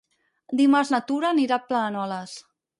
Dimarts na Tura anirà a Planoles.